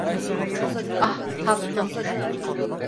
Ah, tatlım.